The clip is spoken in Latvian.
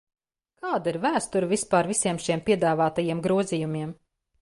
Kāda ir vēsture vispār visiem šiem piedāvātajiem grozījumiem?